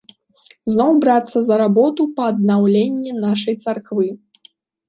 Зноў брацца за работу па аднаўленні нашай царквы.